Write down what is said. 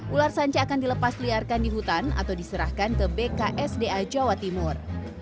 ular sanca akan dilepas liarkan di hutan atau diserahkan ke bksda jawa timur